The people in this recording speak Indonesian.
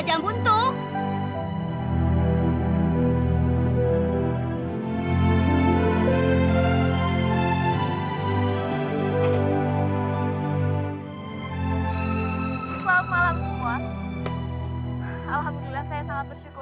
alhamdulillah saya sangat bersyukur